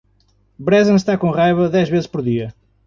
Brezen está com raiva dez vezes por dia.